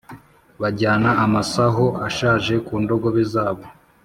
bajyana amasaho ashaje ku ndogobe zabo